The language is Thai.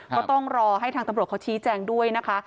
ก็ต้องรอให้ทางตำรวจเขาชี้แจงด้วยนะคะ